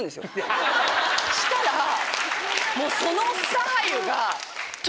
したらその。